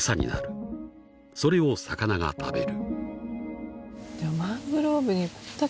［それを魚が食べる］